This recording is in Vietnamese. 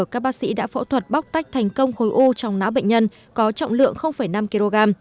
các bác sĩ đã phẫu thuật bóc tách thành công khối u trong não bệnh nhân có trọng lượng năm kg